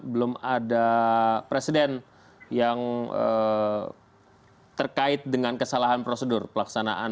belum ada presiden yang terkait dengan kesalahan prosedur pelaksanaan